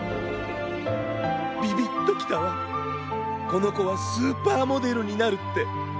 ビビッときたわこのこはスーパーモデルになるって。